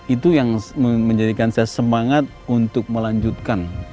itu yang menjadikan saya semangat untuk melanjutkan